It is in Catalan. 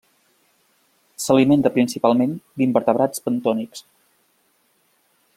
S'alimenta principalment d'invertebrats bentònics.